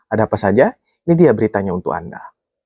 ada apa saja ini dia beritanya untuk anda